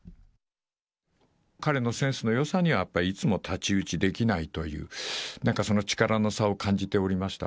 彼のセンスのよさにはやっぱいつも太刀打ちできないという、なんかその力の差を感じておりました。